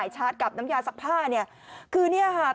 เจอเขาแล้ว